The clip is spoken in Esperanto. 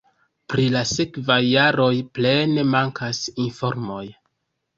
Pri la sekvaj jaroj plene mankas informoj.